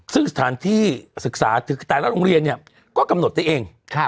ซึ่งสถานที่ศึกษาแต่ละโรงเรียนเนี่ยก็กำหนดได้เอง